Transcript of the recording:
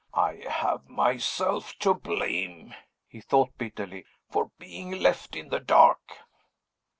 "I have myself to blame," he thought bitterly, "for being left in the dark."